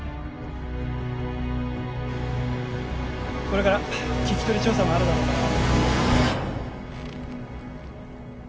これから聴き取り調査もあるだろうから。